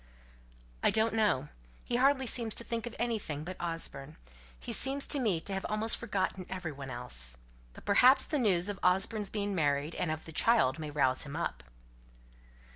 "I don't know. He hardly seems to think of anything but Osborne. He appears to me to have almost forgotten every one else. But perhaps the news of Osborne's being married, and of the child, may rouse him up."